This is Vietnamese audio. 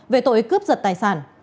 về tội cướp giật tài sản